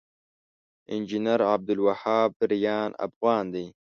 انجنير عبدالوهاب ريان افغان دی